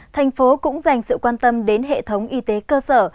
thành phố cũng dành sự quan tâm đến hệ thống y tế cơ sở